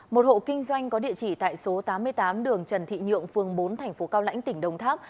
một hộ kinh doanh có địa chỉ tại số tám mươi tám đường trần thị nhượng phường bốn thành phố cao lãnh tỉnh đồng tháp